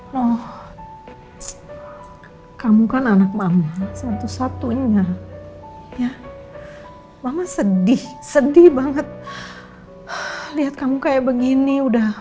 loh kamu kan anak mama satu satunya ya mama sedih sedih banget lihat kamu kayak begini udah